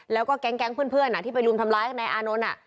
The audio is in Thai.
แล้วก็แก๊งเพื่อนที่ไปรุมทำร้ายนายอานนท์